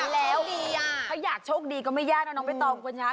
แล้วถ้าอยากโชคดีก็ไม่ยากเอาน้องไปตอบกว่านี้